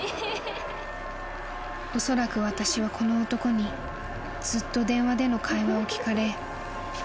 ［おそらく私はこの男にずっと電話での会話を聞かれ］